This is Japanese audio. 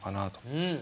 うん。